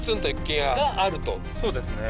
そうですね